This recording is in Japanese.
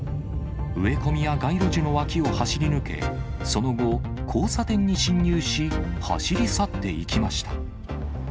植え込みや街路樹の脇を走り抜け、その後、交差点に進入し走り去っていきました。